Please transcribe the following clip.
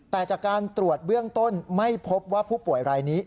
แต่จากการตรวจเบื้องต้นไม่พบว่าผู้ป่วยรายนี้